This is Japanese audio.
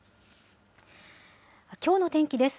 きょうの天気です。